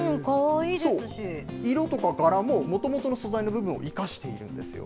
色とか柄ももともとの素材の部分を生かしているんですよ。